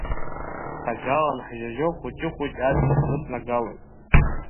Ҭагалан ҳжьажьо хәыҷ-хәыҷы аӡын ҳӷыҵнагалоит…